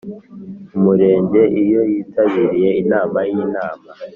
Umurenge iyo yitabiriye inama y Inama